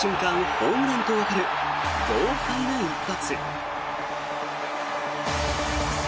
ホームランとわかる豪快な一発。